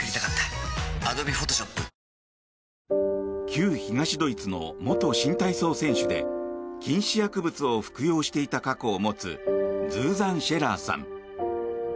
旧東ドイツの元新体操選手で禁止薬物を服用していた過去を持つズーザン・シェラーさん。